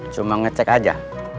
cuma ngecek aja